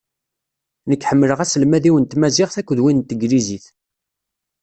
Nekk ḥemmleɣ aselmad-iw n tmaziɣt akked win n teglizit.